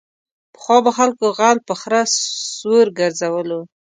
پخوا به خلکو غل په خره سور گرځولو.